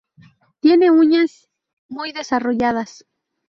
Tiene uñas muy desarrolladas.